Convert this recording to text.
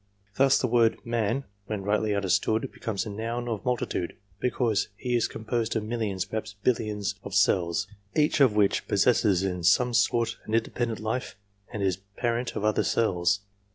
Thus the word " Man," when rightly understood, becomes a noun of multitude, because he is composed of millions, perhaps billions of cells, each of which possesses, in some sort an independent life, and is parent of other cells.